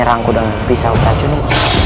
tak berhasil hal ini